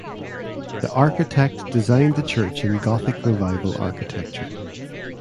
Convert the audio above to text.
The architect designed the church in Gothic Revival architecture.